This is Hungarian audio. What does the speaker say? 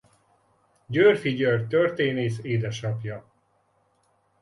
Györffy György történész édesapja.